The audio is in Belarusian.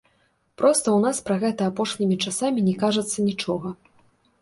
Проста ў нас пра гэта апошнімі часамі не кажацца нічога.